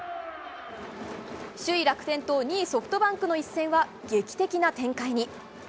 首位楽天と２位ソフトバンクの一戦は、劇的な展開に。